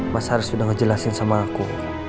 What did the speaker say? mas harus udah ngejelasin sama aku